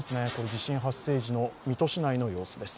地震発生時の水戸市内の様子です。